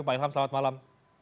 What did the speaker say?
pak ilham selamat malam